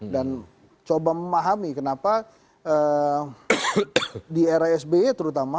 dan coba memahami kenapa di era sbe terutama